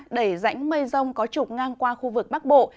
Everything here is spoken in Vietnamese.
đẩy rãnh mây rông có trục ngang qua khu vực bắc bộ